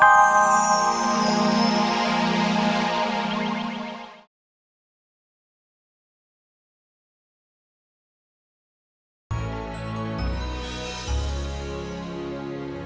aku akan pergi dulu